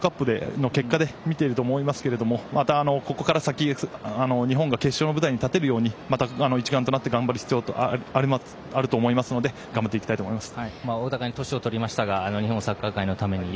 ワールドカップの結果で見ていると思いますけどここから先、日本が決勝の舞台に立てるように一丸になって頑張る必要がありますので頑張っていきたいと思います。